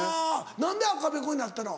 何で赤べこになったの？